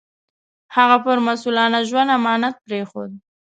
هغه پر مسوولانه ژوند امانت پرېښود.